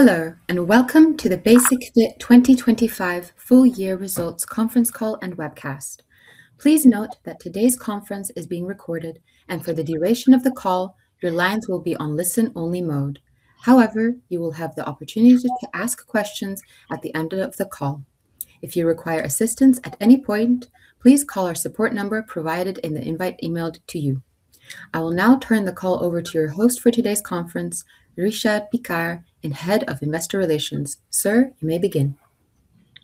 Hello, and welcome to the Basic-Fit 2025 full year results conference call and webcast. Please note that today's conference is being recorded, and for the duration of the call, your lines will be on listen-only mode. However, you will have the opportunity to ask questions at the end of the call. If you require assistance at any point, please call our support number provided in the invite emailed to you. I will now turn the call over to your host for today's conference, Richard Piekaar, Head of Investor Relations. Sir, you may begin.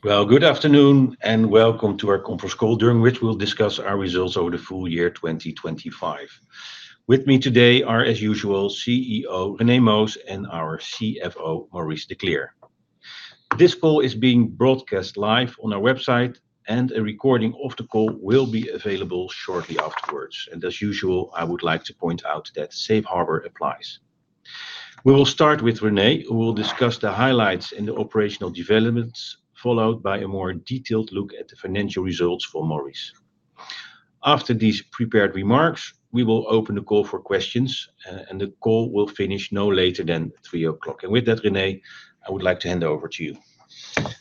Well, good afternoon and welcome to our conference call during which we'll discuss our results over the full year 2025. With me today are, as usual, CEO René Moos and our CFO Maurice de Kleer. This call is being broadcast live on our website and a recording of the call will be available shortly afterwards. As usual, I would like to point out that Safe Harbor applies. We will start with René, who will discuss the highlights in the operational developments, followed by a more detailed look at the financial results for Maurice. After these prepared remarks, we will open the call for questions, and the call will finish no later than 3:00 P.M. With that, René, I would like to hand over to you.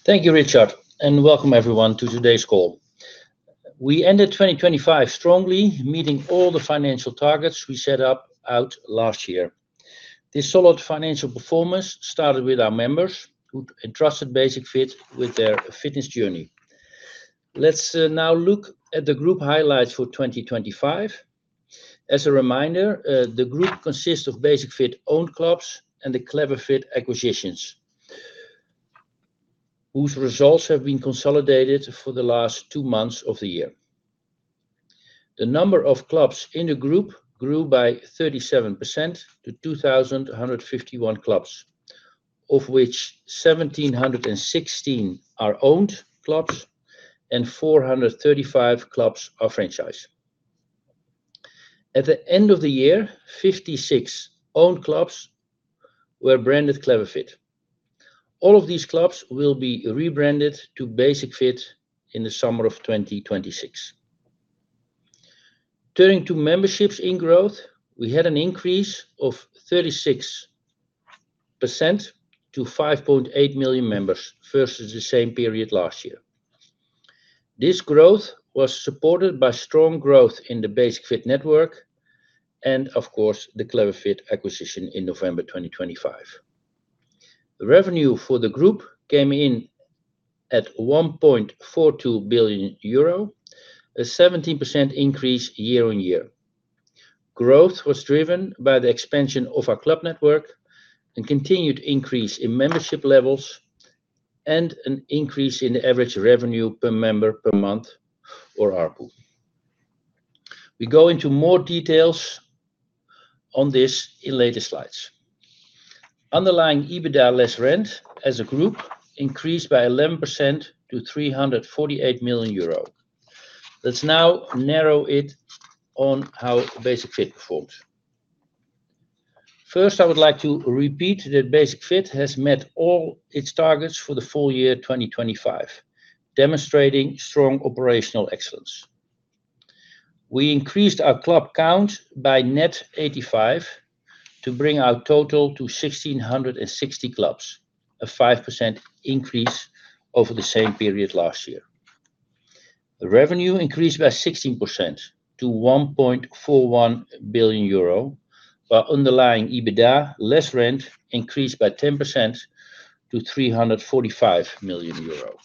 Thank you, Richard, and welcome everyone to today's call. We ended 2025 strongly meeting all the financial targets we set out last year. This solid financial performance started with our members who trusted Basic-Fit with their fitness journey. Let's now look at the group highlights for 2025. As a reminder, the group consists of Basic-Fit owned clubs and the Clever Fit acquisitions, whose results have been consolidated for the last two months of the year. The number of clubs in the group grew by 37% to 2,151 clubs, of which 1,716 are owned clubs and 435 clubs are franchise. At the end of the year, 56 owned clubs were branded Clever Fit. All of these clubs will be rebranded to Basic-Fit in the summer of 2026. Turning to memberships in growth, we had an increase of 36% to 5.8 million members versus the same period last year. This growth was supported by strong growth in the Basic-Fit network and, of course, the Clever Fit acquisition in November 2025. The revenue for the group came in at 1.42 billion euro, a 17% increase year-on-year. Growth was driven by the expansion of our club network and continued increase in membership levels and an increase in average revenue per member per month or ARPU. We go into more details on this in later slides. Underlying EBITDA less rent as a group increased by 11% to 348 million euro. Let's now narrow it on how Basic-Fit performed. First, I would like to repeat that Basic-Fit has met all its targets for the full year 2025, demonstrating strong operational excellence. We increased our club count by net 85 to bring our total to 1,660 clubs, a 5% increase over the same period last year. The revenue increased by 16% to 1.41 billion euro, while underlying EBITDA less rent increased by 10% to 345 million euro.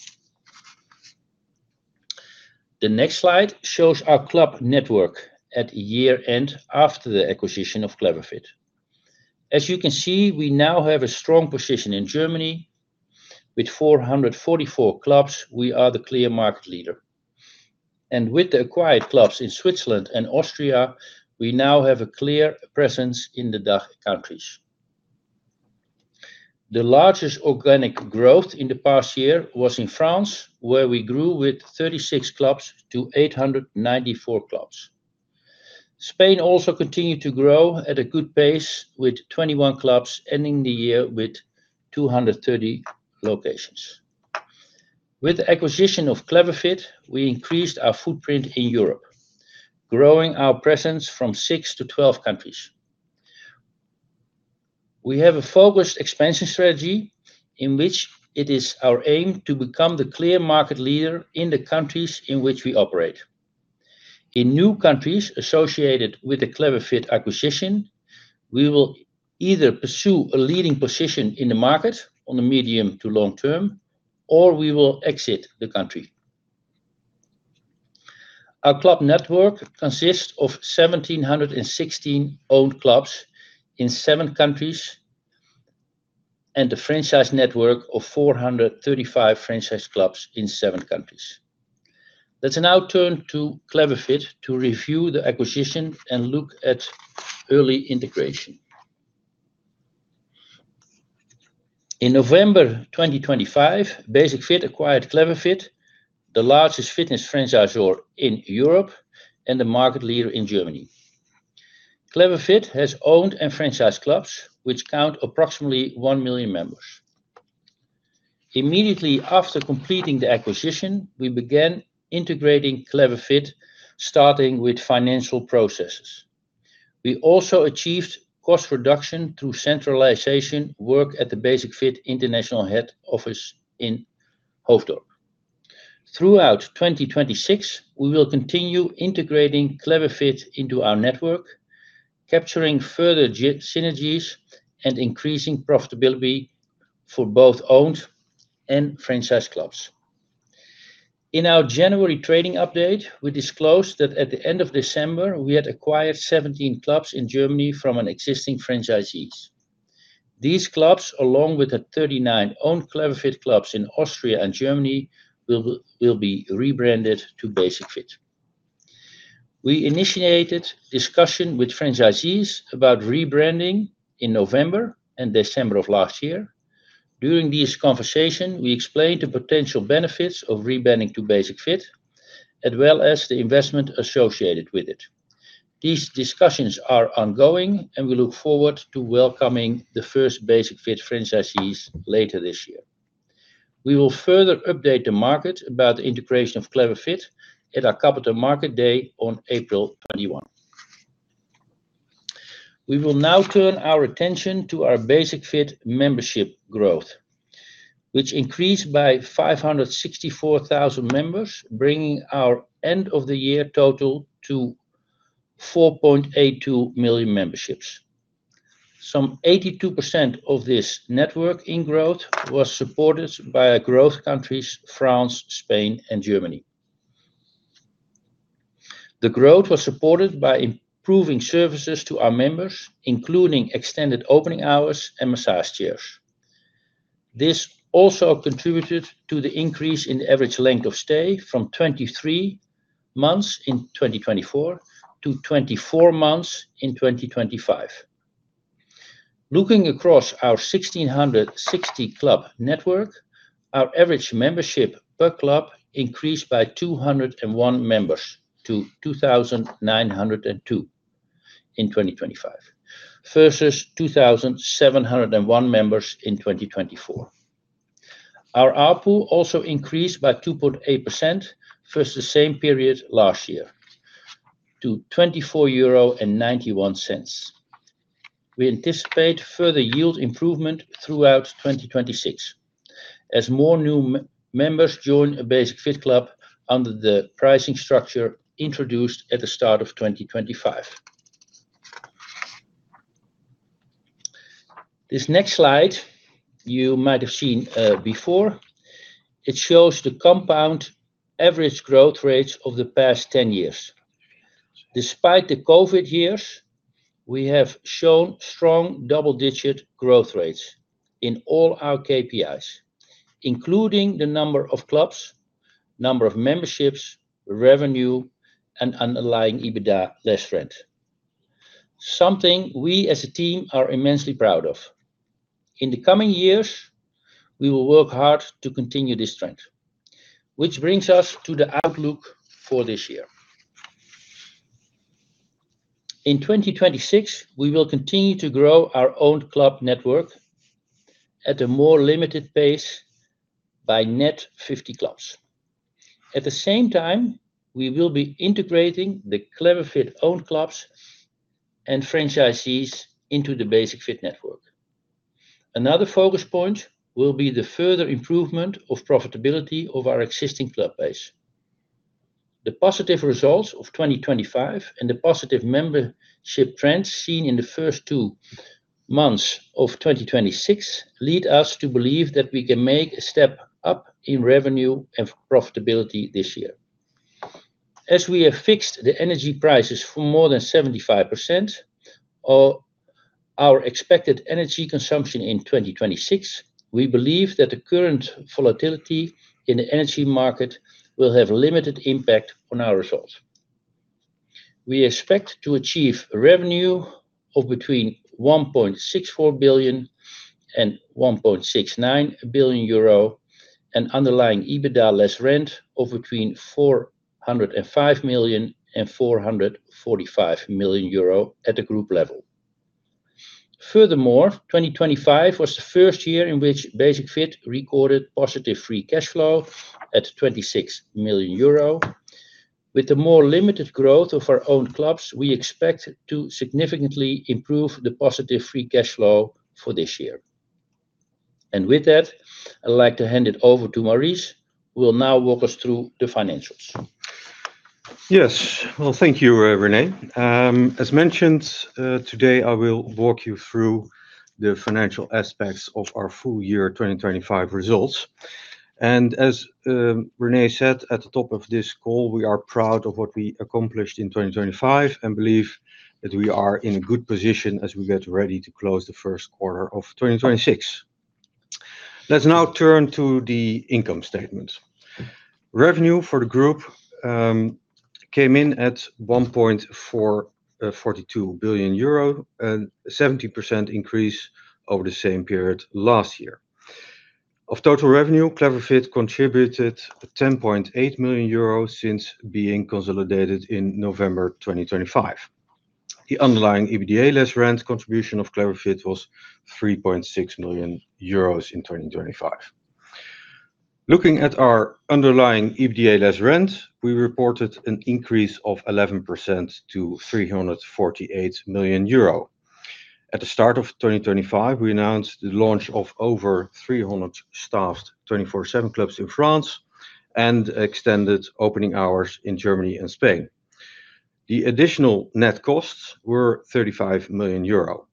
The next slide shows our club network at year-end after the acquisition of Clever Fit. As you can see, we now have a strong position in Germany. With 444 clubs, we are the clear market leader. With the acquired clubs in Switzerland and Austria, we now have a clear presence in the DACH countries. The largest organic growth in the past year was in France, where we grew with 36 clubs to 894 clubs. Spain also continued to grow at a good pace with 21 clubs, ending the year with 230 locations. With the acquisition of Clever Fit, we increased our footprint in Europe, growing our presence from six to 12 countries. We have a focused expansion strategy in which it is our aim to become the clear market leader in the countries in which we operate. In new countries associated with the Clever Fit acquisition, we will either pursue a leading position in the market on a medium to long term, or we will exit the country. Our club network consists of 1,716 owned clubs in seven countries and a franchise network of 435 franchise clubs in seven countries. Let's now turn to Clever Fit to review the acquisition and look at early integration. In November 2025, Basic-Fit acquired Clever Fit, the largest fitness franchisor in Europe and the market leader in Germany. Clever Fit has owned and franchised clubs which count approximately 1 million members. Immediately after completing the acquisition, we began integrating Clever Fit, starting with financial processes. We also achieved cost reduction through centralization work at the Basic-Fit international head office in Hoofddorp. Throughout 2026, we will continue integrating Clever Fit into our network, capturing further synergies and increasing profitability for both owned and franchise clubs. In our January trading update, we disclosed that at the end of December, we had acquired 17 clubs in Germany from an existing franchisees. These clubs, along with the 39 owned Clever Fit clubs in Austria and Germany, will be rebranded to Basic-Fit. We initiated discussion with franchisees about rebranding in November and December of last year. During this conversation, we explained the potential benefits of rebranding to Basic-Fit, as well as the investment associated with it. These discussions are ongoing, and we look forward to welcoming the first Basic-Fit franchisees later this year. We will further update the market about the integration of Clever Fit at our Capital Markets Day on April 21. We will now turn our attention to our Basic-Fit membership growth, which increased by 564,000 members, bringing our end-of-year total to 4.82 million memberships. Some 82% of this net new growth was supported by our growth countries France, Spain, and Germany. The growth was supported by improving services to our members, including extended opening hours and massage chairs. This also contributed to the increase in the average length of stay from 23 months in 2024 to 24 months in 2025. Looking across our 1,660 club network, our average membership per club increased by 201 members to 2,902 in 2025 versus 2,701 members in 2024. Our ARPU also increased by 2.8% versus the same period last year to 24.91 euro. We anticipate further yield improvement throughout 2026 as more new members join a Basic-Fit club under the pricing structure introduced at the start of 2025. This next slide you might have seen before. It shows the compound average growth rates of the past 10 years. Despite the COVID years, we have shown strong double-digit growth rates in all our KPIs, including the number of clubs, number of memberships, revenue, and underlying EBITDA less rent. Something we as a team are immensely proud of. In the coming years, we will work hard to continue this trend, which brings us to the outlook for this year. In 2026, we will continue to grow our own club network at a more limited pace by net 50 clubs. At the same time, we will be integrating the Clever Fit-owned clubs and franchisees into the Basic-Fit network. Another focus point will be the further improvement of profitability of our existing club base. The positive results of 2025 and the positive membership trends seen in the first two months of 2026 lead us to believe that we can make a step up in revenue and profitability this year. As we have fixed the energy prices for more than 75% of our expected energy consumption in 2026, we believe that the current volatility in the energy market will have limited impact on our results. We expect to achieve revenue of between 1.64 billion and 1.69 billion euro and underlying EBITDA less rent of between 405 million and 445 million euro at the group level. Furthermore, 2025 was the first year in which Basic-Fit recorded positive free cash flow at 26 million euro. With the more limited growth of our own clubs, we expect to significantly improve the positive free cash flow for this year. With that, I'd like to hand it over to Maurice, who will now walk us through the financials. Yes. Well, thank you, René. As mentioned, today I will walk you through the financial aspects of our full year 2025 results. As René said at the top of this call, we are proud of what we accomplished in 2025 and believe that we are in a good position as we get ready to close the first quarter of 2026. Let's now turn to the income statement. Revenue for the group came in at 1.442 billion euro, a 70% increase over the same period last year. Of total revenue, Clever Fit contributed 10.8 million euros since being consolidated in November 2025. The underlying EBITDA less rent contribution of Clever Fit was 3.6 million euros in 2025. Looking at our underlying EBITDA less rent, we reported an increase of 11% to 348 million euro. At the start of 2025, we announced the launch of over 300 staffed 24/7 clubs in France and extended opening hours in Germany and Spain. The additional net costs were 35 million euro.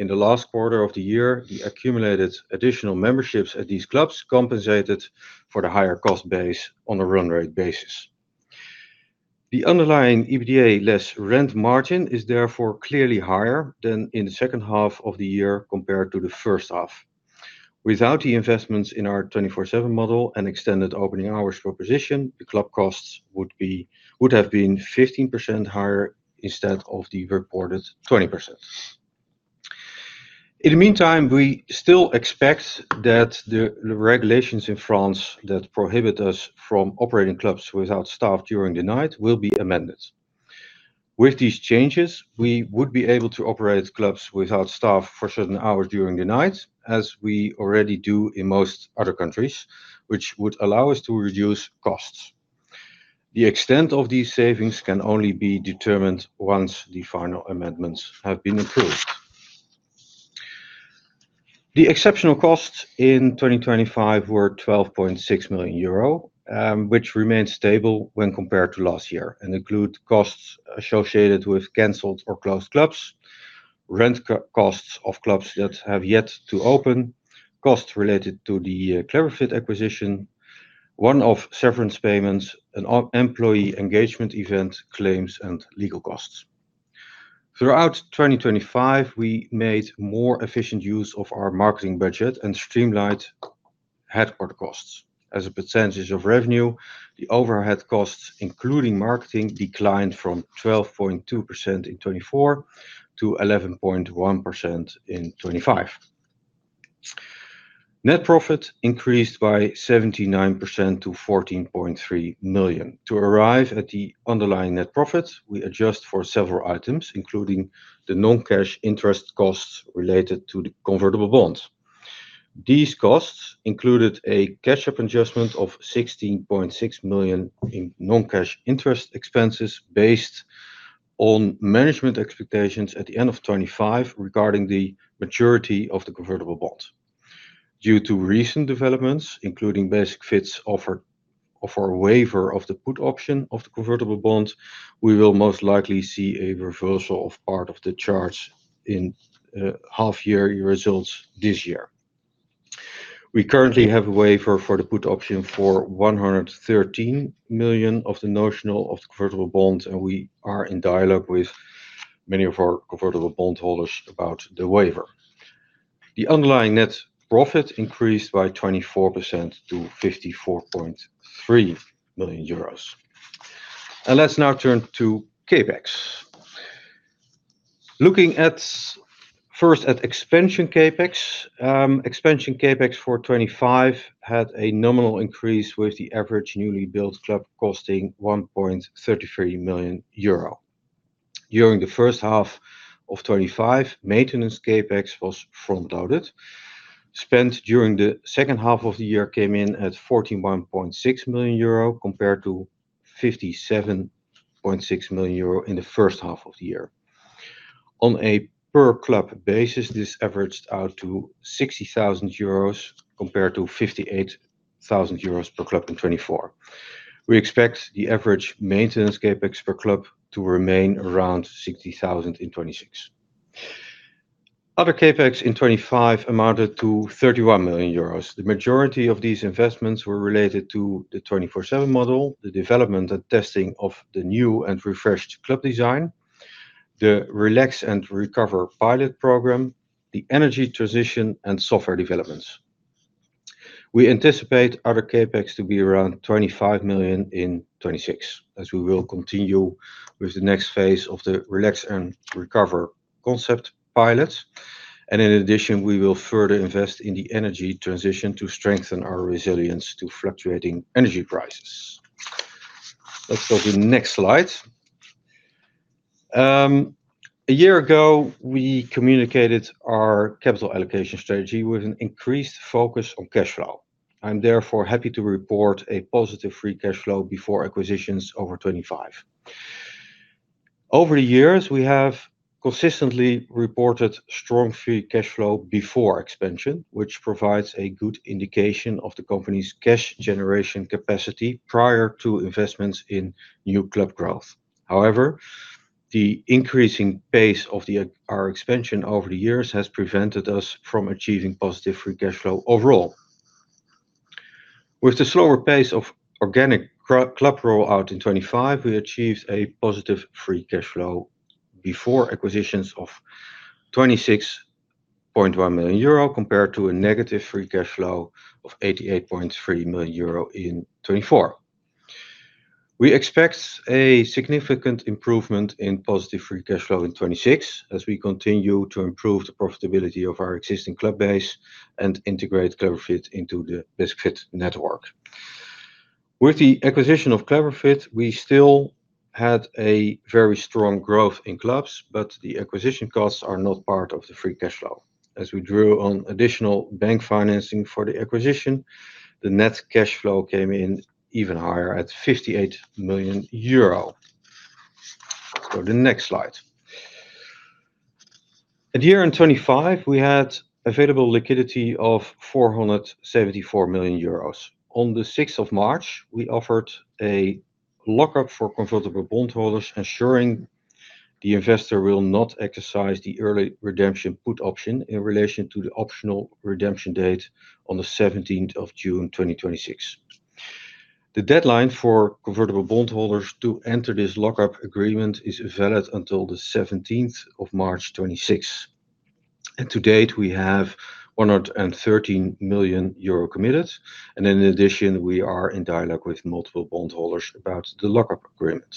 In the last quarter of the year, the accumulated additional memberships at these clubs compensated for the higher cost base on a run rate basis. The underlying EBITDA less rent margin is therefore clearly higher than in the second half of the year compared to the first half. Without the investments in our 24/7 model and extended opening hours proposition, the club costs would have been 15% higher instead of the reported 20%. In the meantime, we still expect that the regulations in France that prohibit us from operating clubs without staff during the night will be amended. With these changes, we would be able to operate clubs without staff for certain hours during the night, as we already do in most other countries, which would allow us to reduce costs. The extent of these savings can only be determined once the final amendments have been approved. The exceptional costs in 2025 were 12.6 million euro, which remained stable when compared to last year and include costs associated with canceled or closed clubs, rent costs of clubs that have yet to open, costs related to the Clever Fit acquisition, one-off severance payments and employee engagement event claims and legal costs. Throughout 2025, we made more efficient use of our marketing budget and streamlined headquarters costs. As a percentage of revenue, the overhead costs, including marketing, declined from 12.2% in 2024 to 11.1% in 2025. Net profit increased by 79% to 14.3 million. To arrive at the underlying net profit, we adjust for several items, including the non-cash interest costs related to the convertible bonds. These costs included a catch-up adjustment of 16.6 million in non-cash interest expenses based on management expectations at the end of 2025 regarding the maturity of the convertible bonds. Due to recent developments, including Basic-Fit's offer a waiver of the put option of the convertible bonds, we will most likely see a reversal of part of the charge in half year results this year. We currently have a waiver for the put option for 113 million of the notional of the convertible bonds, and we are in dialogue with many of our convertible bondholders about the waiver. The underlying net profit increased by 24% to 54.3 million euros. Let's now turn to CapEx. Looking first at expansion CapEx. Expansion CapEx for 2025 had a nominal increase with the average newly built club costing 1.33 million euro. During the first half of 2025, maintenance CapEx was front-loaded. Spent during the second half of the year came in at 41.6 million euro compared to 57.6 million euro in the first half of the year. On a per club basis, this averaged out to 60,000 euros compared to 58,000 euros per club in 2024. We expect the average maintenance CapEx per club to remain around 60,000 in 2026. Other CapEx in 2025 amounted to 31 million euros. The majority of these investments were related to the 24/7 model, the development and testing of the new and refreshed club design, the Relax & Recover pilot program, the energy transition and software developments. We anticipate other CapEx to be around 25 million in 2026, as we will continue with the next phase of the Relax & Recover concept pilot. In addition, we will further invest in the energy transition to strengthen our resilience to fluctuating energy prices. Let's go to the next slide. A year ago, we communicated our capital allocation strategy with an increased focus on cash flow. I'm therefore happy to report a positive free cash flow before acquisitions over 2025. Over the years, we have consistently reported strong free cash flow before expansion, which provides a good indication of the company's cash generation capacity prior to investments in new club growth. However, the increasing pace of our expansion over the years has prevented us from achieving positive free cash flow overall. With the slower pace of organic club roll-out in 2025, we achieved a positive free cash flow before acquisitions of 26.1 million euro compared to a negative free cash flow of 88.3 million euro in 2024. We expect a significant improvement in positive free cash flow in 2026 as we continue to improve the profitability of our existing club base and integrate Clever Fit into the Basic-Fit network. With the acquisition of Clever Fit, we still had a very strong growth in clubs, but the acquisition costs are not part of the free cash flow. As we drew on additional bank financing for the acquisition, the net cash flow came in even higher at 58 million euro. Go to the next slide. At year-end 2025, we had available liquidity of 474 million euros. On the March 6, we offered a lockup for convertible bondholders, ensuring the investor will not exercise the early redemption put option in relation to the optional redemption date on the June 17th, 2026. The deadline for convertible bondholders to enter this lockup agreement is valid until the March 17th, 2026. To date, we have 113 million euro committed. In addition, we are in dialogue with multiple bondholders about the lockup agreement.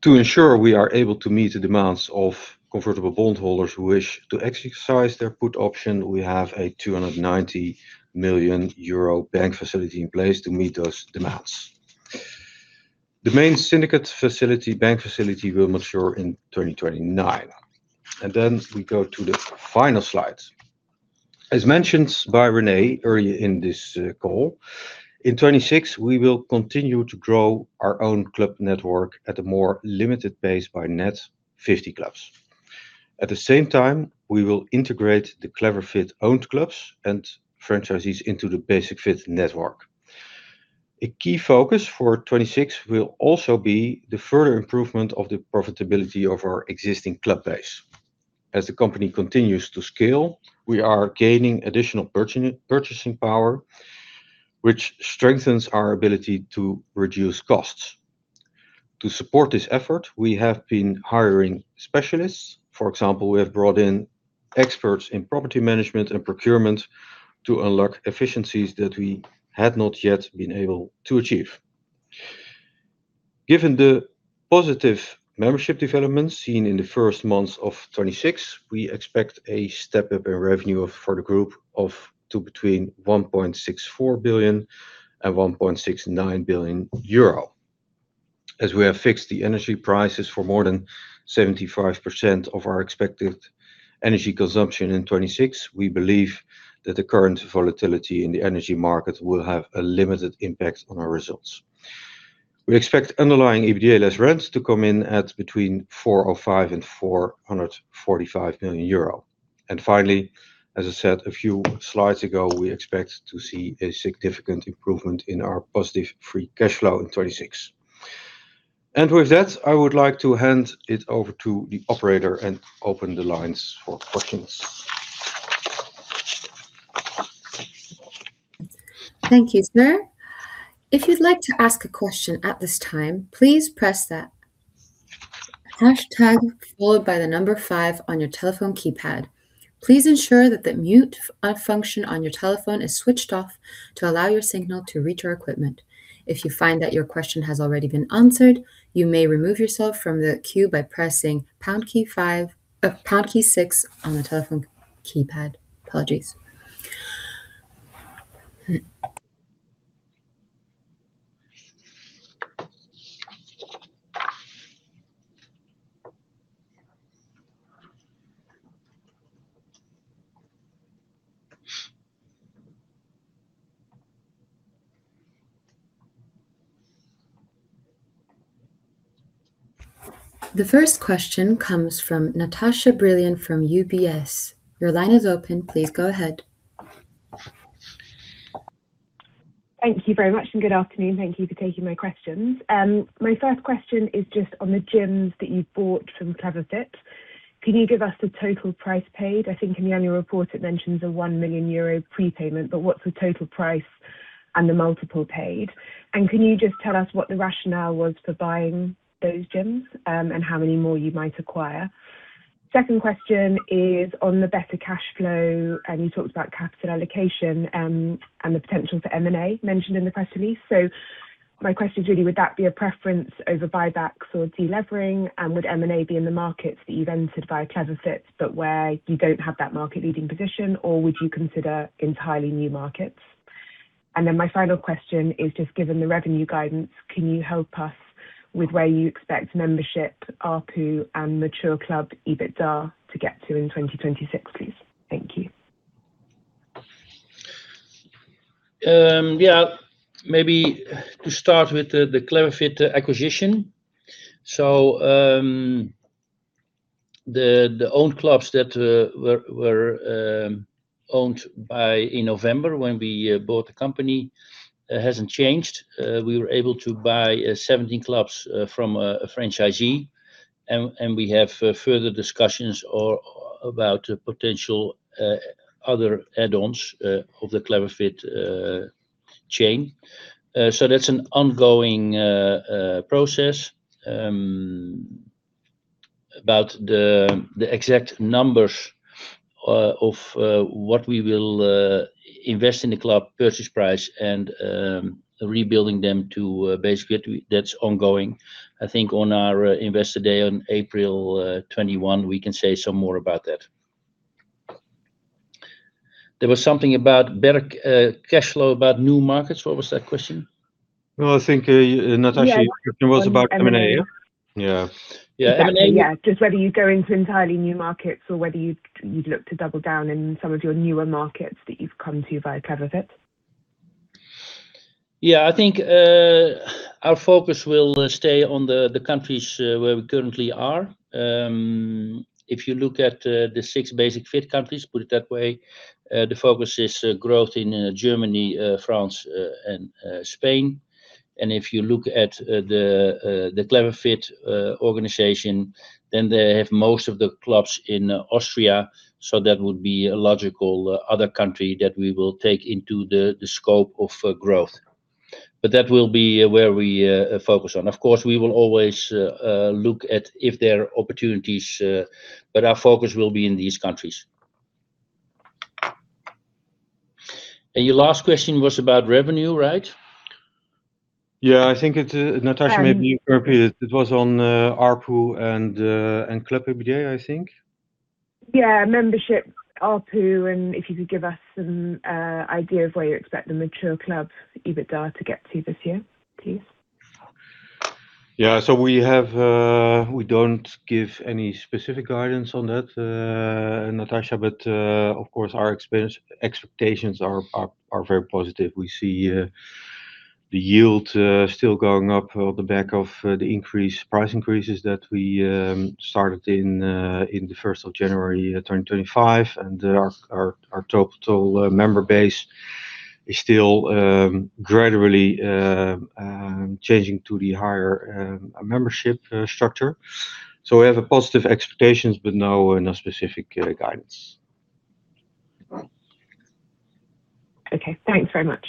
To ensure we are able to meet the demands of convertible bondholders who wish to exercise their put option, we have a 290 million euro bank facility in place to meet those demands. The main syndicate facility bank facility will mature in 2029. Then we go to the final slide. As mentioned by René earlier in this call, in 2026, we will continue to grow our own club network at a more limited pace by net 50 clubs. At the same time, we will integrate the Clever Fit-owned clubs and franchisees into the Basic-Fit network. A key focus for 2026 will also be the further improvement of the profitability of our existing club base. As the company continues to scale, we are gaining additional purchasing power, which strengthens our ability to reduce costs. To support this effort, we have been hiring specialists. For example, we have brought in experts in property management and procurement to unlock efficiencies that we had not yet been able to achieve. Given the positive membership developments seen in the first months of 2026, we expect a step-up in revenue for the group of to between 1.64 billion and 1.69 billion euro. As we have fixed the energy prices for more than 75% of our expected energy consumption in 2026, we believe that the current volatility in the energy market will have a limited impact on our results. We expect underlying EBITDA less rents to come in at between 405 million and 445 million euro. Finally, as I said a few slides ago, we expect to see a significant improvement in our positive free cash flow in 2026. With that, I would like to hand it over to the operator and open the lines for questions. Thank you, sir. If you'd like to ask a question at this time, please press that hashtag followed by the number five on your telephone keypad. Please ensure that the mute function on your telephone is switched off to allow your signal to reach our equipment. If you find that your question has already been answered, you may remove yourself from the queue by pressing pound key six on the telephone keypad. Apologies. The first question comes from Natasha Brilliant from UBS. Your line is open. Please go ahead. Thank you very much, and good afternoon. Thank you for taking my questions. My first question is just on the gyms that you bought from Clever Fit. Can you give us the total price paid? I think in the annual report, it mentions a 1 million euro prepayment, but what's the total price and the multiple paid? And can you just tell us what the rationale was for buying those gyms, and how many more you might acquire? Second question is on the better cash flow, and you talked about capital allocation and the potential for M&A mentioned in the press release. My question is really would that be a preference over buybacks or delevering? And would M&A be in the markets that you've entered via Clever Fit, but where you don't have that market-leading position, or would you consider entirely new markets? My final question is just given the revenue guidance, Can you help us with where you expect membership, ARPU, and mature club EBITDA to get to in 2026, please? Thank you. Maybe to start with the Clever Fit acquisition. The owned clubs that were owned by in November when we bought the company hasn't changed. We were able to buy 17 clubs from a franchisee. We have further discussions about potential other add-ons of the Clever Fit chain. That's an ongoing process about the exact numbers of what we will invest in the club purchase price and rebuilding them to basically get to. That's ongoing. I think on our Investor Day on April 21, we can say some more about that. There was something about better, cash flow, about new markets. What was that question? Well, I think, Natasha. Yeah. The question was about M&A? M&A. Yeah. Yeah. M&A. Yeah. Just whether you go into entirely new markets or whether you'd look to double down in some of your newer markets that you've come to via Clever Fit? Yeah. I think our focus will stay on the countries where we currently are. If you look at the six Basic-Fit countries, put it that way, the focus is growth in Germany, France and Spain. If you look at the Clever Fit organization, then they have most of the clubs in Austria, so that would be a logical other country that we will take into the scope of growth. That will be where we focus on. Of course, we will always look at if there are opportunities, but our focus will be in these countries. Your last question was about revenue, right? Yeah. I think it's Natasha- Um- Maybe you can repeat it? It was on ARPU and Clever Fit, I think? Yeah. Membership, ARPU, And if you could give us some idea of where you expect the mature club EBITDA to get to this year, please? Yeah. We don't give any specific guidance on that, Natasha. Of course, our expectations are very positive. We see the yield still going up on the back of the price increases that we started in the January 1st, 2025. Our total member base is still gradually changing to the higher membership structure. We have positive expectations but no specific guidance. Okay. Thanks very much.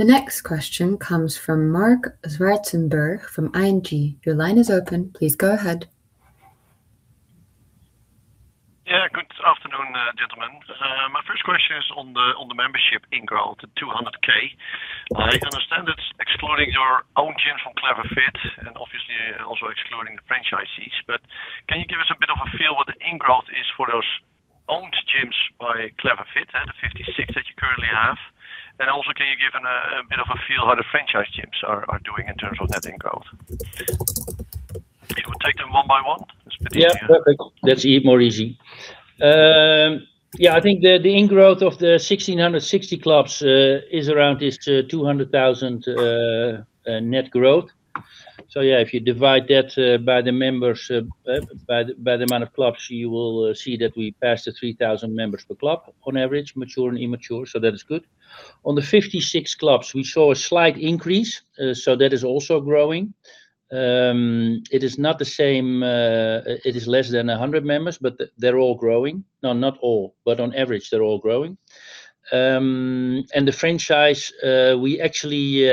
Yep. The next question comes from Marc Zwartsenburg from ING. Your line is open. Please go ahead. Yeah. Good afternoon, gentlemen. My first question is on the membership in growth to 200K. I understand it's excluding your own gym from Clever Fit and obviously also excluding the franchisees. Can you give us a bit of a feel what the in growth is for those owned gyms by Clever Fit, the 56 that you currently have? And also, can you give a bit of a feel how the franchise gyms are doing in terms of net in growth? If we take them one by one, it's better for you? Yeah. Perfect. That's even more easy. I think the net growth in the 1,660 clubs is around this 200,000 net growth. If you divide that by the amount of clubs, you will see that we passed the 3,000 members per club on average, mature and immature. That is good. On the 56 clubs, we saw a slight increase. That is also growing. It is not the same. It is less than 100 members, but they're all growing. No, not all, but on average, they're all growing. And the franchise, we actually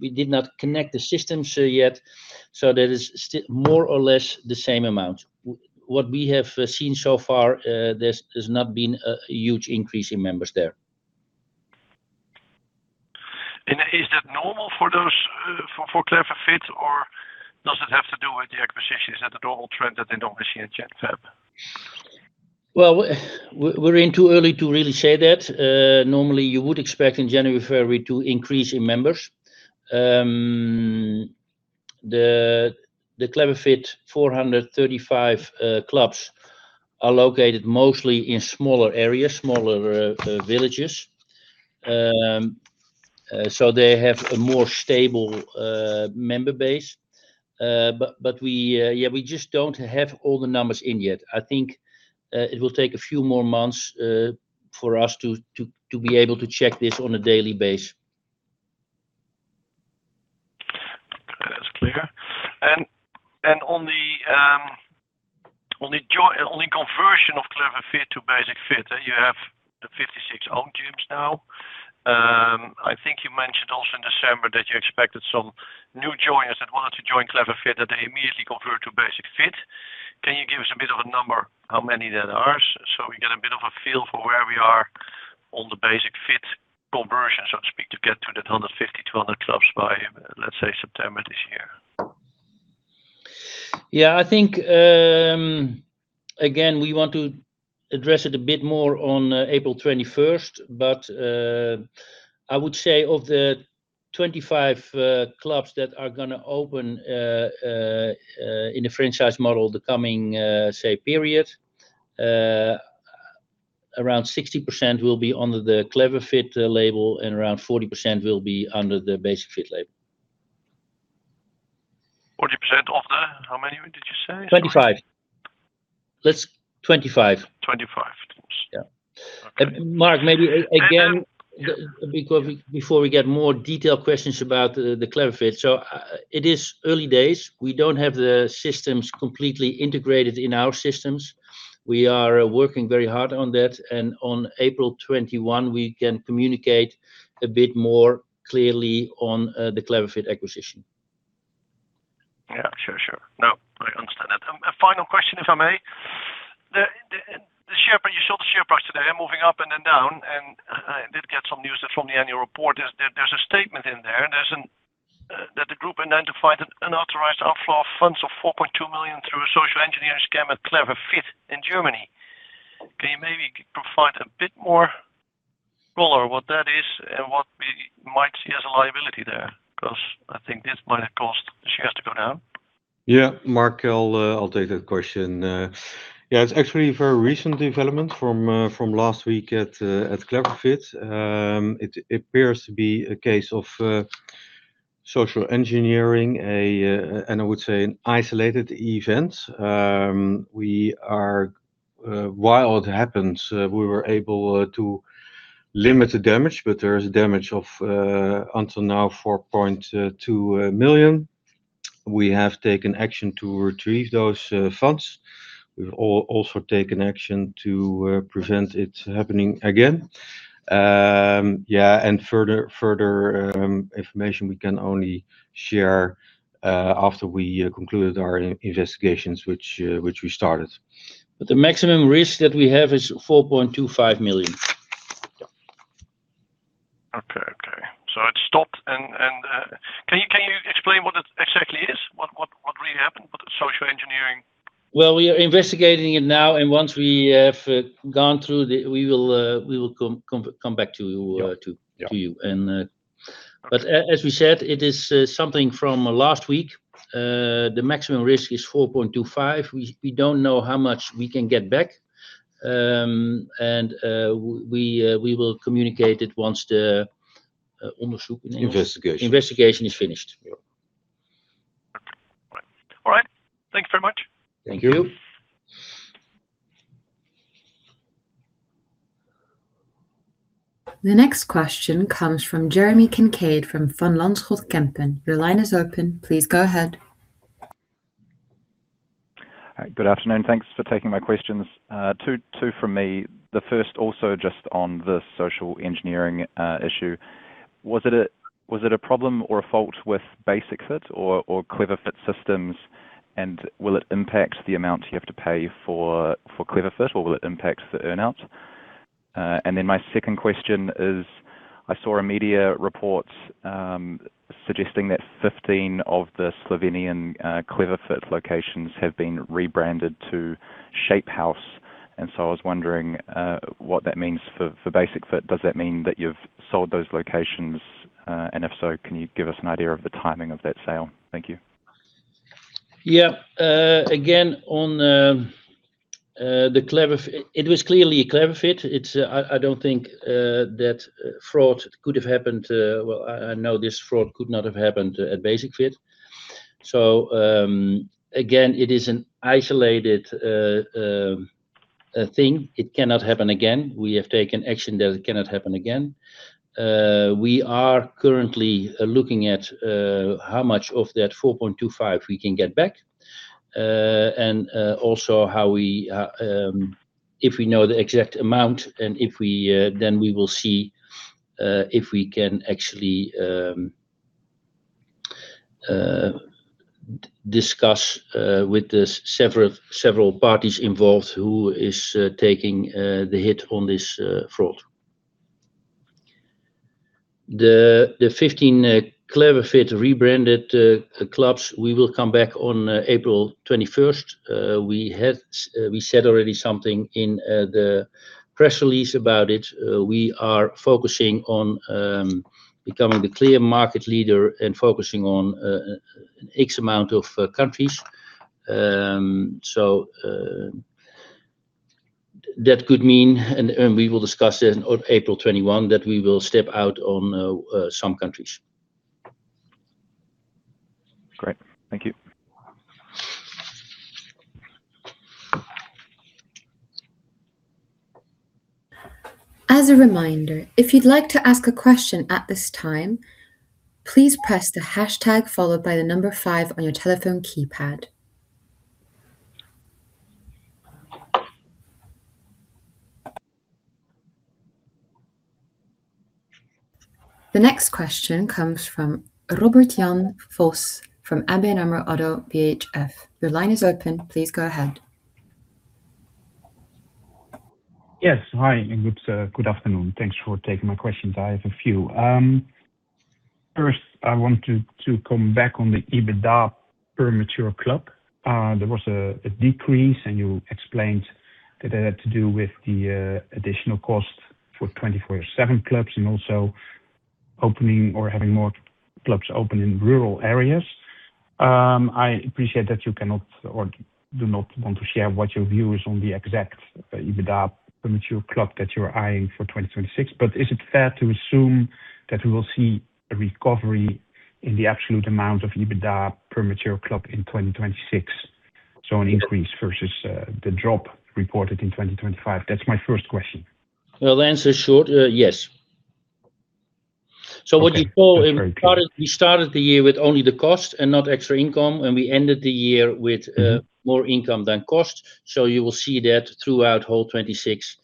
did not connect the systems yet. That is still more or less the same amount. What we have seen so far, there's not been a huge increase in members there. Is that normal for those for Clever Fit, or does it have to do with the acquisitions? Is that the normal trend that they normally see in Basic-Fit? Well, we're too early to really say that. Normally, you would expect an increase in members in January, February. The Clever Fit 435 clubs are located mostly in smaller areas, smaller villages. So they have a more stable member base. But we just don't have all the numbers in yet. I think it will take a few more months for us to be able to check this on a daily basis. That's clear. On the conversion of Clever Fit to Basic-Fit, you have the 56 owned gyms now. I think you mentioned also in December that you expected some new joiners that wanted to join Clever Fit, that they immediately convert to Basic-Fit. Can you give us a bit of a number, how many there are, so we get a bit of a feel for where we are on the Basic-Fit conversion, so to speak, to get to that 150-200 clubs by, let's say, September this year? Yeah. I think, again, we want to address it a bit more on April 21st. I would say of the 25 clubs that are gonna open in the franchise model the coming, say, period, around 60% will be under the Clever Fit label, and around 40% will be under the Basic-Fit label. 40% of the how many did you say? 25. 25. Of course. Yeah. Okay. Marc, maybe again- And, uh- Because before we get more detailed questions about the Clever Fit. It is early days. We don't have the systems completely integrated in our systems. We are working very hard on that. On April 21, we can communicate a bit more clearly on the Clever Fit acquisition. Final question, if I may. You saw the share price today moving up and then down, and I did get some news from the annual report. There's a statement in there that the group identified an unauthorized outflow of funds of 4.2 million through a social engineering scam at Clever Fit in Germany. Can you maybe provide a bit more color on what that is and what we might see as a liability there? 'Cause I think this might have caused the shares to go down. Yeah. Marc, I'll take that question. Yeah, it's actually a very recent development from last week at Clever Fit. It appears to be a case of social engineering, and I would say an isolated event. While it happens, we were able to limit the damage, but there is damage of until now 4.2 million. We have taken action to retrieve those funds. We've also taken action to prevent it happening again. Yeah, further information we can only share after we concluded our investigations which we started. The maximum risk that we have is 4.25 million. Okay. It stopped and can you explain what it exactly is? What really happened? What is social engineering? Well, we are investigating it now. We will come back to you. Yeah. Yeah. As we said, it is something from last week. The maximum risk is 4.25. We don't know how much we can get back, and we will communicate it once the, Investigation. Investigation is finished. Yeah. All right. Thank you very much. Thank you. Thank you. The next question comes from Jeremy Kincaid from Van Lanschot Kempen. Your line is open. Please go ahead. Hi, good afternoon. Thanks for taking my questions. Two from me. The first also just on the social engineering issue. Was it a problem or a fault with Basic-Fit or Clever Fit systems? Will it impact the amount you have to pay for Clever Fit or will it impact the earn-out? My second question is, I saw a media report suggesting that 15 of the Slovenian Clever Fit locations have been rebranded to ShapeHouse Fitness. I was wondering what that means for Basic-Fit? Does that mean that you've sold those locations? If so, can you give us an idea of the timing of that sale? Thank you. Again, on the Clever Fit. It was clearly a Clever Fit. I don't think that fraud could have happened. Well, I know this fraud could not have happened at Basic-Fit. Again, it is an isolated thing. It cannot happen again. We have taken action that it cannot happen again. We are currently looking at how much of that 4.25 we can get back. Also, if we know the exact amount, then we will see if we can actually discuss with the several parties involved who is taking the hit on this fraud. The 15 Clever Fit rebranded clubs, we will come back on April 21st. We said already something in the press release about it. We are focusing on becoming the clear market leader and focusing on an X amount of countries. That could mean we will discuss it on April 21 that we will step out on some countries. Great. Thank you. As a reminder, if you'd like to ask a question at this time, please press the hashtag followed by the number five on your telephone keypad. The next question comes from Robert Jan Vos from ABN AMRO-ODDO BHF. Your line is open. Please go ahead. Yes. Hi, and good afternoon. Thanks for taking my questions. I have a few. First, I want to come back on the EBITDA per mature club. There was a decrease, and you explained that it had to do with the additional cost for 24/7 clubs and also opening or having more clubs open in rural areas. I appreciate that you cannot or do not want to share what your view is on the exact EBITDA per mature club that you're eyeing for 2026. Is it fair to assume that we will see a recovery in the absolute amount of EBITDA per mature club in 2026? An increase versus the drop reported in 2025. That's my first question. Well, the answer is short. Yes. Okay. That's very clear. We started the year with only the cost and not extra income, and we ended the year with more income than cost. You will see that throughout whole 2026.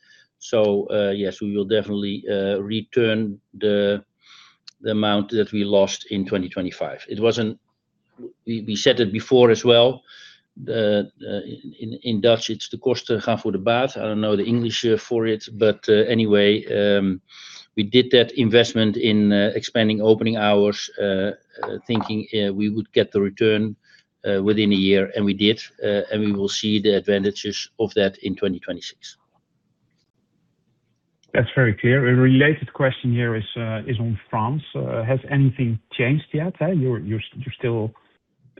Yes, we will definitely return the amount that we lost in 2025. We said it before as well, in Dutch it's the kosten gaan voor de baten. I don't know the English for it. Anyway, we did that investment in expanding opening hours, thinking we would get the return within a year, and we did. We will see the advantages of that in 2026. That's very clear. A related question here is on France. Has anything changed yet? You're still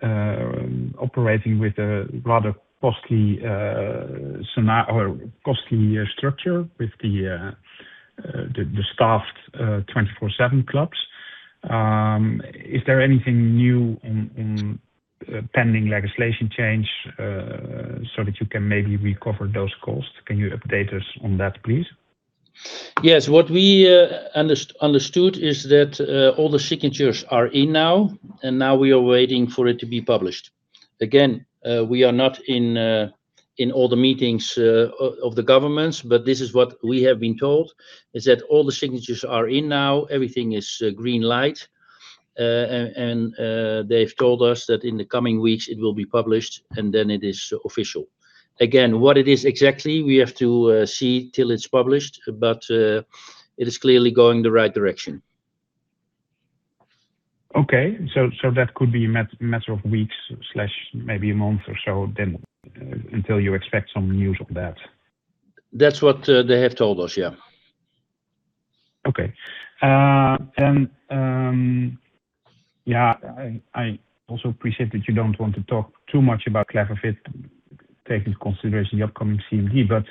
operating with a rather costly scenario or costly structure with the staffed 24/7 clubs. Is there anything new in pending legislation change so that you can maybe recover those costs? Can you update us on that, please? Yes. What we understood is that all the signatures are in now, and now we are waiting for it to be published. Again, we are not in all the meetings of the governments, but this is what we have been told, is that all the signatures are in now. Everything is green light. And they've told us that in the coming weeks it will be published, and then it is official. Again, what it is exactly, we have to see till it's published, but it is clearly going the right direction. Okay. That could be a matter of weeks slash maybe a month or so then until you expect some news of that? That's what, they have told us, yeah. Okay. I also appreciate that you don't want to talk too much about Clever Fit, taking into consideration the upcoming CMD, but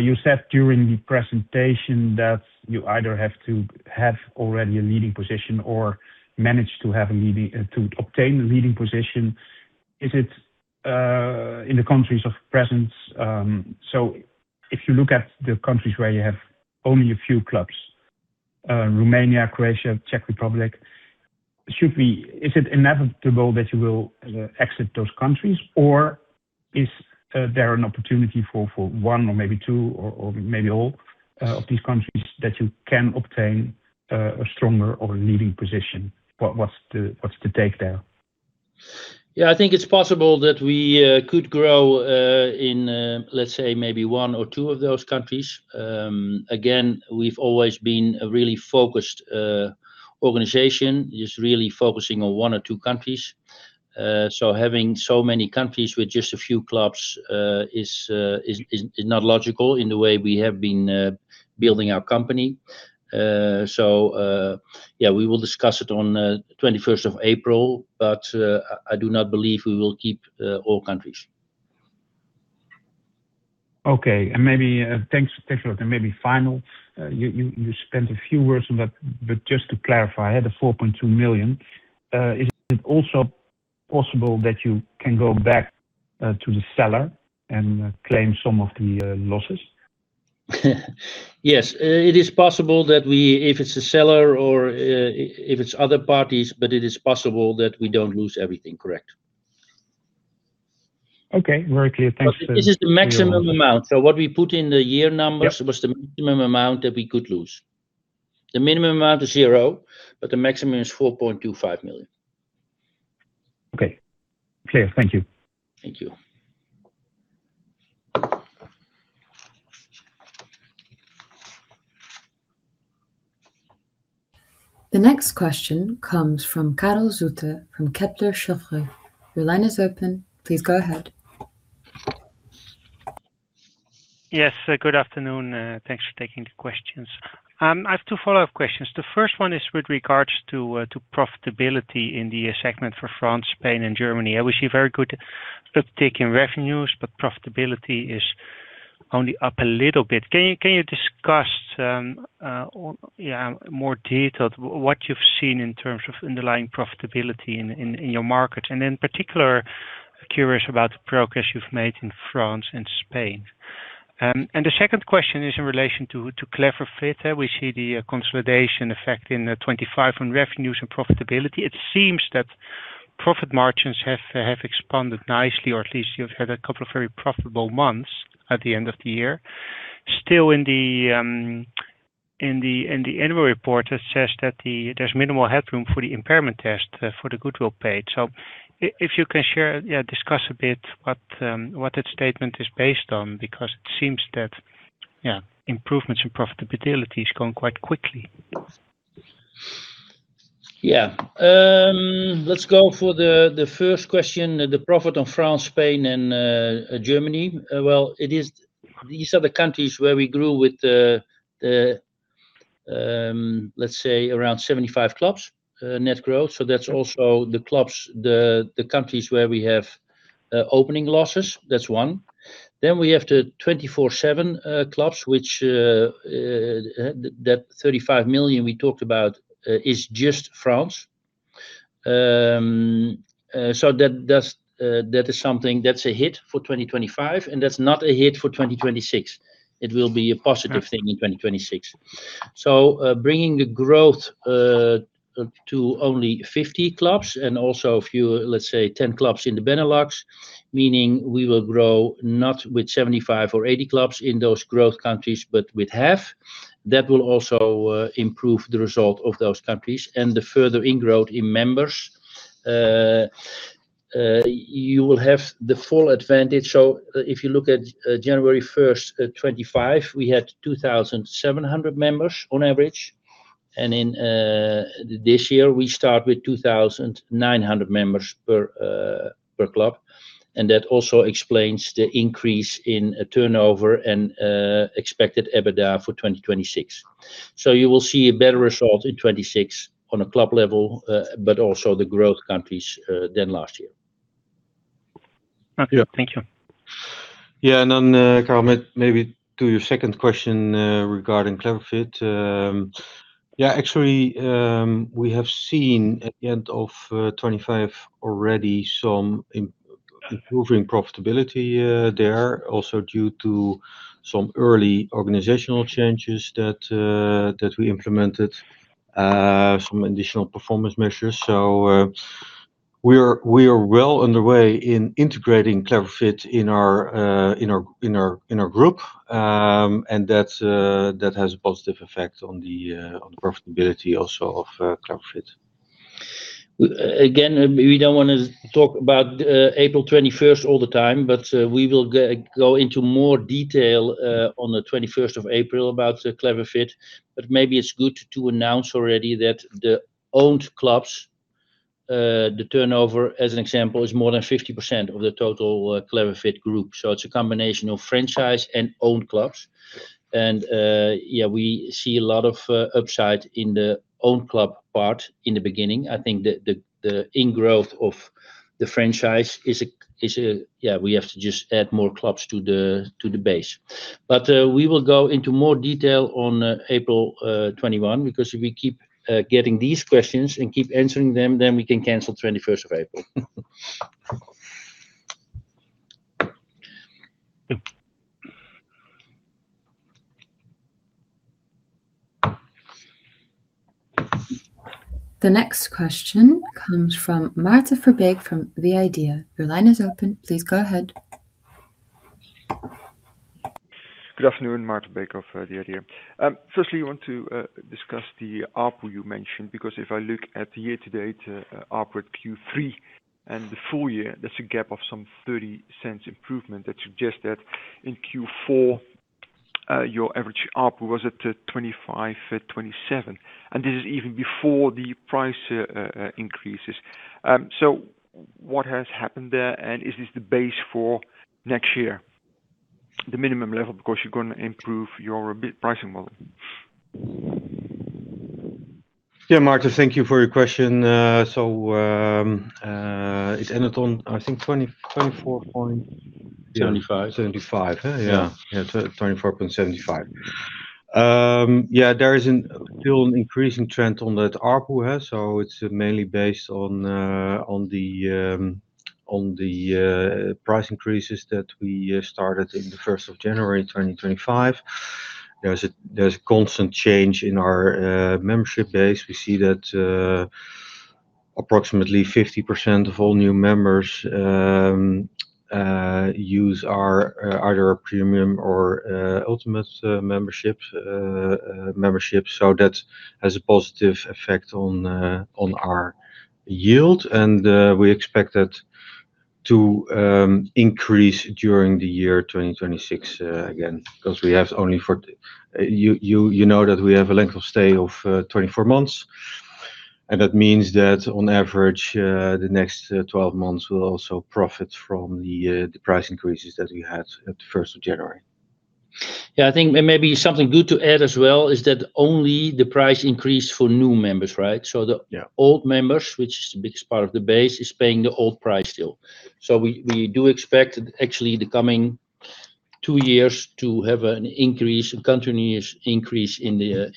you said during the presentation that you either have to have already a leading position or manage to obtain a leading position. Is it in the countries of presence? If you look at the countries where you have only a few clubs, Romania, Croatia, Czech Republic, is it inevitable that you will exit those countries, or is there an opportunity for one or maybe two or maybe all of these countries that you can obtain a stronger or a leading position? What's the take there? Yeah, I think it's possible that we could grow in let's say maybe one or two of those countries. Again, we've always been a really focused organization, just really focusing on one or two countries. Having so many countries with just a few clubs is not logical in the way we have been building our company. Yeah, we will discuss it on the April 21st, but I do not believe we will keep all countries. Okay. Maybe thanks. Thanks a lot. Maybe final, you spent a few words on that, but just to clarify, I had the 4.2 million. Is it also possible that you can go back to the seller and claim some of the losses? Yes. It is possible that we, if it's a seller or if it's other parties, but it is possible that we don't lose everything. Correct. Okay. Very clear. Thanks. This is the maximum amount. What we put in the year numbers. Yep. Was the minimum amount that we could lose. The minimum amount is zero, but the maximum is 4.25 million. Okay. Clear. Thank you. Thank you. The next question comes from Karel Zoete from Kepler Cheuvreux. Your line is open. Please go ahead. Yes. Good afternoon. Thanks for taking the questions. I have two follow-up questions. The first one is with regards to profitability in the segment for France, Spain, and Germany. We see very good uptick in revenues, but profitability is only up a little bit. Can you discuss more detail what you've seen in terms of underlying profitability in your markets? And in particular, curious about the progress you've made in France and Spain. The second question is in relation to Clever Fit. We see the consolidation effect in 2025 on revenues and profitability. It seems that profit margins have expanded nicely, or at least you've had a couple of very profitable months at the end of the year. Still in the annual report, it says that there's minimal headroom for the impairment test for the goodwill paid. If you can share, yeah, discuss a bit what that statement is based on, because it seems that, yeah, improvements in profitability is going quite quickly? Let's go for the first question, the footprint in France, Spain, and Germany. These are the countries where we grew with the let's say around 75 clubs net growth. That's also the clubs, the countries where we have opening losses. That's one. We have the 24/7 clubs, which that 35 million we talked about is just France. That's something that's a hit for 2025, and that's not a hit for 2026. It will be a positive thing in 2026. Bringing the growth to only 50 clubs and also a few, let's say, 10 clubs in the Benelux, meaning we will grow not with 75 or 80 clubs in those growth countries, but with half, that will also improve the result of those countries. The further in-growth in members, you will have the full advantage. If you look at January 1st, 2025, we had 2,700 members on average. In this year we start with 2,900 members per club. That also explains the increase in turnover and expected EBITDA for 2026. You will see a better result in 2026 on a club level, but also the growth countries, than last year. Okay. Thank you. Yeah. Karel, maybe to your second question, regarding Clever Fit. Yeah, actually, we have seen at the end of 2025 already some improving profitability there. Also due to some early organizational changes that we implemented, some additional performance measures. We're well underway in integrating Clever Fit in our group. That has a positive effect on the profitability also of Clever Fit? Again, we don't want to talk about April 21st all the time, but we will go into more detail on April 21st about Clever Fit. Maybe it's good to announce already that the owned clubs, the turnover as an example is more than 50% of the total Clever Fit group. It's a combination of franchise and owned clubs. Yeah, we see a lot of upside in the owned club part in the beginning. I think the income growth of the franchise. Yeah, we have to just add more clubs to the base. We will go into more detail on April 21, because if we keep getting these questions and keep answering them, then we can cancel April 21st. The next question comes from Maarten Verbeek from The Idea. Your line is open. Please go ahead. Good afternoon, Maarten Verbeek of The Idea. First, I want to discuss the ARPU you mentioned, because if I look at the year to date, ARPU at Q3 and the full year, that's a gap of some 0.30 improvement. That suggests that in Q4, your average ARPU was at 25-27, and this is even before the price increases. What has happened there? Is this the base for next year? The minimum level, of course, you're gonna improve your better pricing model. Yeah. Maarten, thank you for your question. It's ended on, I think 24 point- 75. 75. 24.75. There is still an increasing trend on that ARPU. It's mainly based on the price increases that we started in the January 1st, 2025. There's constant change in our membership base. We see that approximately 50% of all new members use either our Premium or Ultimate membership. That has a positive effect on our yield. We expect that to increase during the year 2026 again, 'cause we have only 40. You know that we have a length of stay of 24 months. That means that on average, the next 12 months will also profit from the price increases that we had at the January 1st. Yeah. I think maybe something good to add as well is that only the price increase for new members, right? Yeah. Old members, which is the biggest part of the base, is paying the old price still. We do expect actually the coming two years to have an increase, a continuous increase in the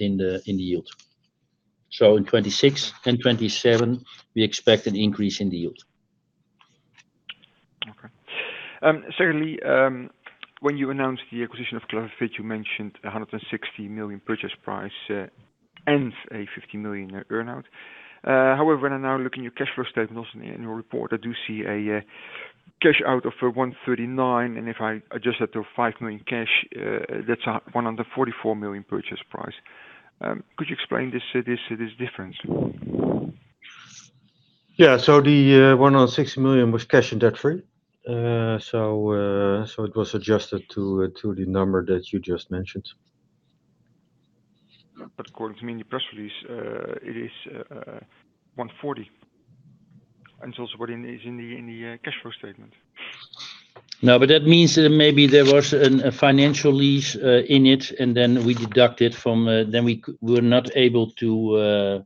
yield. In 2026 and 2027 we expect an increase in the yield. Okay. Secondly, when you announced the acquisition of Clever Fit, you mentioned 160 million purchase price, and a 50 million earn-out. However, when I now look in your cash flow statements in your report, I do see a cash out of 139 million, and if I adjust that to a 5 million cash, that's a 144 million purchase price. Could you explain this difference? The 160 million was cash and debt-free. It was adjusted to the number that you just mentioned. According to the press release, it is 140, and it's also what is in the cash flow statement. No, but that means that maybe there was a financial lease in it and then we were not able to pay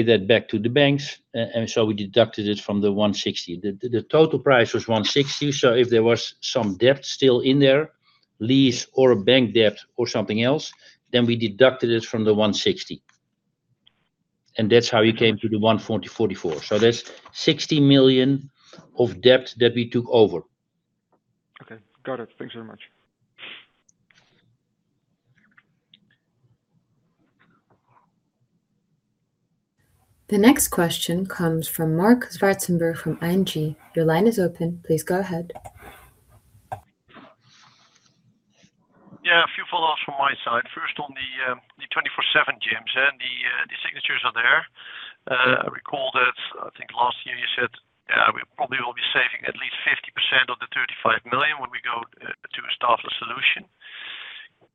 that back to the banks. We deducted it from the 160 million. The total price was 160 million. If there was some debt still in there, lease or a bank debt or something else, then we deducted it from the 160 million. That's how you came to the 144 million. That's 60 million of debt that we took over. Okay. Got it. Thank you very much. The next question comes from Marc Zwartsenburg from ING. Your line is open. Please go ahead. For seven gyms, yeah, the signatures are there. I recall that I think last year you said we probably will be saving at least 50% of the 35 million when we go to a staffless solution.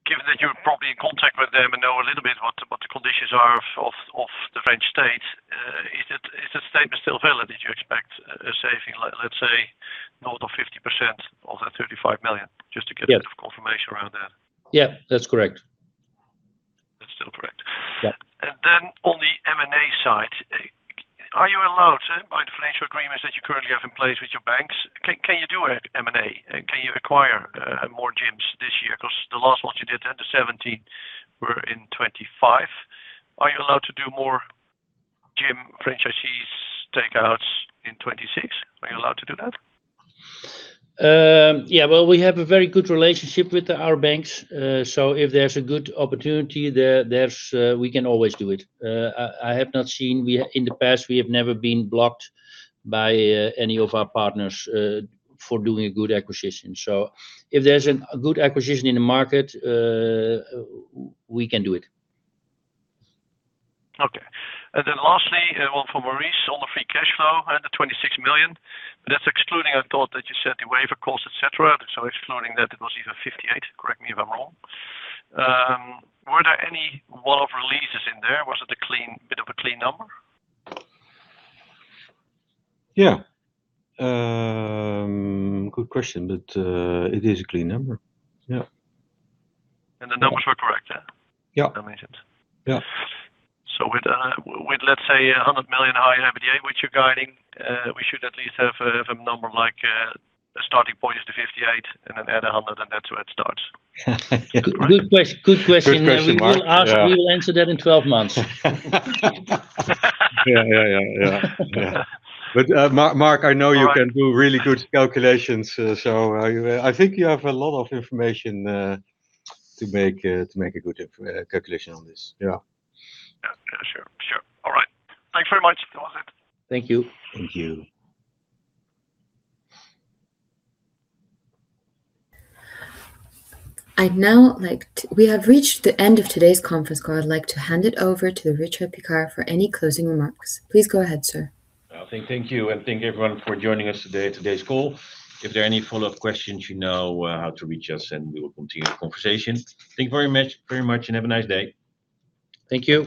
Given that you're probably in contact with them and know a little bit what the conditions are of the French state, is the statement still valid that you expect a saving, let's say, north of 50% of that 35 million? Just to get- Yes. A bit of confirmation around that. Yeah. That's correct. That's still correct. Yeah. On the M&A side, are you allowed to, by the financial agreements that you currently have in place with your banks, can you do a M&A? Can you acquire more gyms this year? Because the last ones you did, the 17 were in 2025. Are you allowed to do more gym franchise takeovers in 2026? Are you allowed to do that? Yeah. Well, we have a very good relationship with our banks. If there's a good opportunity there, we can always do it. In the past, we have never been blocked by any of our partners for doing a good acquisition. If there's a good acquisition in the market, we can do it. Okay. Lastly, one for Maurice on the free cash flow and the 26 million. That's excluding, I thought that you said, the waiver costs, et cetera. Excluding that, it was either 58, correct me if I'm wrong. Were there any one-off releases in there? Was it a clean bit of a clean number? Yeah. Good question. It is a clean number. Yeah. The numbers were correct, yeah? Yeah. As mentioned. Yeah. Let's say 100 million higher EBITDA, which you're guiding, we should at least have a number of like a starting point is the 58 and then add 100, and that's where it starts. Good question. Good question, Marc. Yeah. We will answer that in 12 months. Marc, I know you can do really good calculations. I think you have a lot of information to make a good calculation on this. Yeah. Yeah. Sure. All right. Thanks very much. That was it. Thank you. Thank you. We have reached the end of today's conference call. I'd like to hand it over to Richard Piekaar for any closing remarks. Please go ahead, sir. Well, thank you. Thank everyone for joining us today's call. If there are any follow-up questions, you know, how to reach us, and we will continue the conversation. Thank you very much, and have a nice day. Thank you.